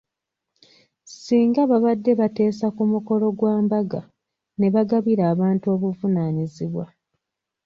Singa babadde bateesa ku mukolo gwa mbaga, ne bagabira abantu obuvunaanyizibwa.